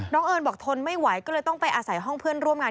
เอิญบอกทนไม่ไหวก็เลยต้องไปอาศัยห้องเพื่อนร่วมงาน